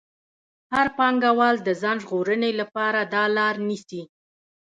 هر پانګوال د ځان ژغورنې لپاره دا لار نیسي